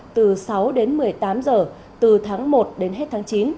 từ sáu đến một mươi tám giờ từ tháng một đến hết tháng chín